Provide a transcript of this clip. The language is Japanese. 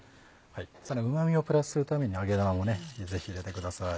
さらにうま味をプラスするために揚げ玉もねぜひ入れてください。